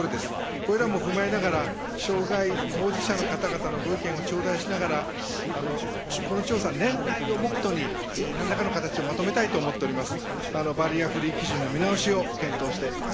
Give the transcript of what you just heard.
これらも踏まえながら、障害当事者の方々のご意見をちょうだいしながら、この調査、年内を目途に、なんらかの形をまとめたいと思っております。